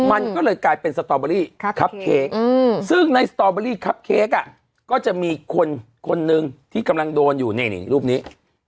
มันก็เลยกลายเป็นสตอเบอรี่คับเค้กซึ่งในสตอเบอรี่ครับเค้กก็จะมีคนคนหนึ่งที่กำลังโดนอยู่นี่รูปนี้